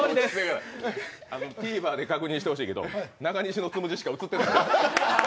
ＴＶｅｒで確認してほしいけど、中西のつむじしか映ってへん。